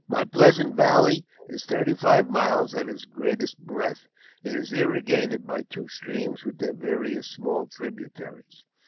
My pleasant valley is thirty five miles at its greatest breadth. It is irrigated by two streams, with their various small tributaries.